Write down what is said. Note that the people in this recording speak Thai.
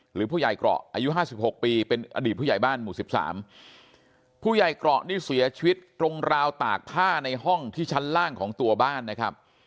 หรือผู้ใหญ่เกราะอายุห้าสิบหกปีเป็นอดีตผู้ใหญ่บ้านหมู่สิบสามผู้ใหญ่เกราะนี่เสียชีวิตตรงราวตากผ้าในห้องที่ชั้นล่างของตัวบ้านนะครับ